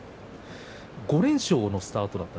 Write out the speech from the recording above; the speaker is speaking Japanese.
５連勝のスタートでした。